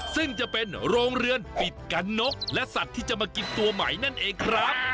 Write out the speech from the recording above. ซึ่งจะเป็นโรงเรือนปิดกันนกและสัตว์ที่จะมากินตัวใหม่นั่นเองครับ